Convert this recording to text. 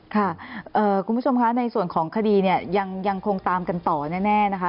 คุณผู้ชมคะในส่วนของคดีเนี่ยยังคงตามกันต่อแน่นะคะ